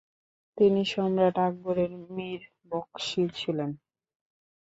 তিনি সম্রাট আকবরের মীর বকশি ছিলেন।